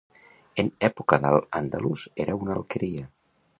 En època d'al-Àndalus era una alqueria.